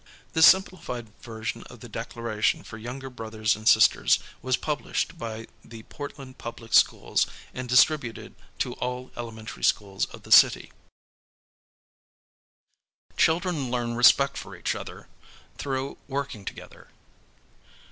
This simplified version of the Declaration for younger brothers and sis ters was published by the Portland Public Schools and distributed to all elementary schools of the city. Courte.'^y, Denver Public Schools Children learn respect for each other through working together.